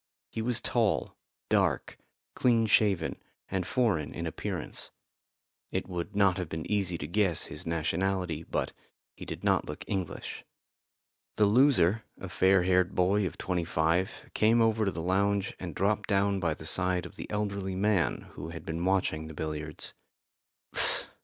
He was tall, dark, clean shaven and foreign in appearance. It would not have been easy to guess his nationality, but he did not look English. The loser, a fair haired boy of twenty five, came over to the lounge and dropped down by the side of the elderly man who had been watching the billiards.